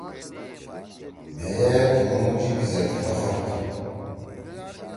مھئے تنُو جیِب زید فخر تُھو۔